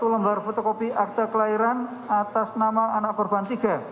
satu lembar fotokopi akta kelahiran atas nama anak korban tiga